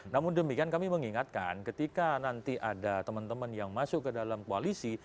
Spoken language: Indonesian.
namun demikian kami mengingatkan ketika nanti ada teman teman yang masuk ke dalam koalisi